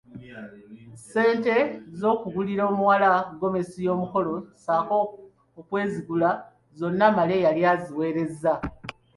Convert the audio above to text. Ssente z'okugulira omuwala gomesi y'omukolo ssaako okwezigula zonna Male yali aziweerezza.